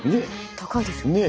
高いですよね。ね。